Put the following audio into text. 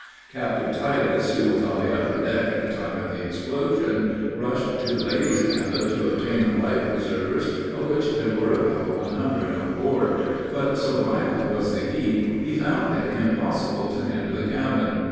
Captain Titus, who was on the upper deck at the time of the explosion, rushed to the ladies' cabin to obtain the life preservers, of which there were about one hundred on board; but, so violent was the heat, he found it impossible to enter the cabin.